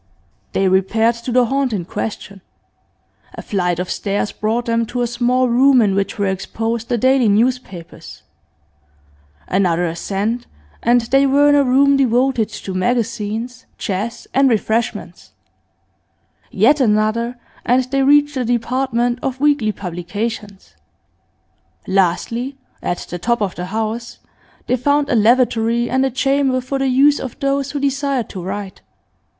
They repaired to the haunt in question. A flight of stairs brought them to a small room in which were exposed the daily newspapers; another ascent, and they were in a room devoted to magazines, chess, and refreshments; yet another, and they reached the department of weekly publications; lastly, at the top of the house, they found a lavatory, and a chamber for the use of those who desired to write.